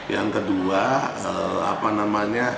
yang kedua apa namanya